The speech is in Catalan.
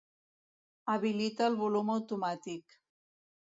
Habilita el volum automàtic.